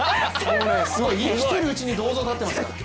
生きてるうちに銅像、立ってますから。